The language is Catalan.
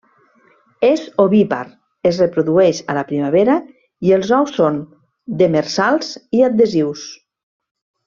És ovípar, es reprodueix a la primavera i els ous són demersals i adhesius.